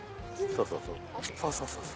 そうそうそうそう。